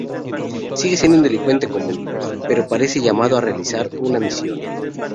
Sigue siendo un delincuente común, pero parece llamado a realizar una "misión".